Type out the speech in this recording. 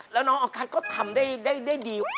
แล้วน้องออกัสก็ทำได้ดี